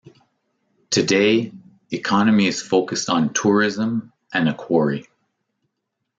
Today, economy is focused on tourism, and a quarry.